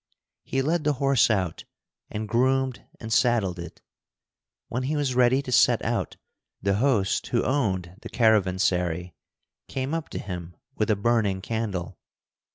He led the horse out and groomed and saddled it. When he was ready to set out, the host who owned the caravansary came up to him with a burning candle.